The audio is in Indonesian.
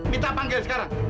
minta panggil sekarang